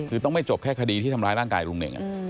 คือต้องไม่จบแค่คดีที่ทำร้ายร่างกายลุงเน่ง